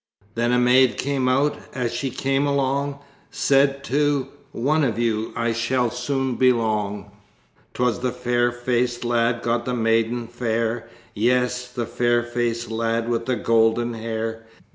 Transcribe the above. Then a maid came out; as she came along, Said, "To one of you I shall soon belong!" 'Twas the fair faced lad got the maiden fair, Yes, the fair faced lad with the golden hair!